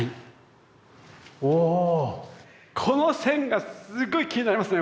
おおこの線がすっごい気になりますね。